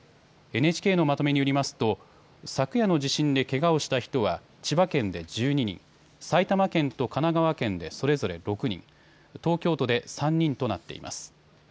ＮＨＫのまとめによりますと昨夜の地震でけがをした人は千葉県で１２人、埼玉県と神奈川県でそれぞれ６人、東京都で３人となっています。